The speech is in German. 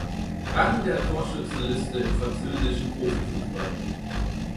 Rang der Torschützenliste im französischen Profifußball.